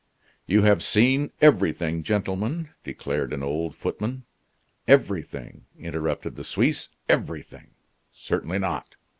"You have seen everything, gentlemen," declared an old footman. "Everything!" interrupted the Suisse, "everything! Certainly not.